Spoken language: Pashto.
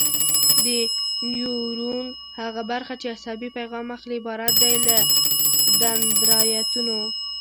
د نیورون هغه برخه چې عصبي پیغام اخلي عبارت دی له دندرایتونو.